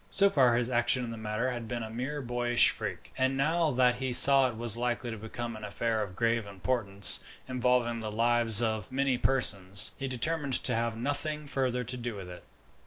So far his action in the matter had been a mere boyish freak; and now that he saw it was likely to become an affair of grave importance, involving the lives of many persons, he determined to have nothing further to do with it.